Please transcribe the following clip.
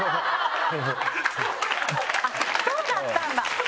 そうだったんだ！